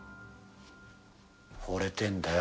ほれてんだよ